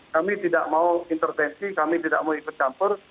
kami tidak mau intervensi kami tidak mau ikut campur